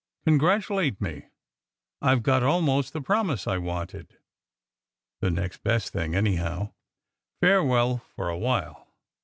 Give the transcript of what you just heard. Congratulate me. I ve got almost the promise 1 wanted. The next best thing, anyhow. Farewell for a while.